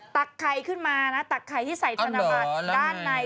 ตักไข่ขึ้นมานะตักไข่ที่ใส่กละ๑ล้านบาท